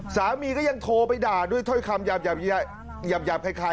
สามีก็ยังโทรไปด่าด้วยถ้อยคำหยาบคล้าย